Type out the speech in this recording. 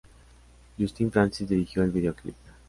Justin Francis dirigió el videoclip.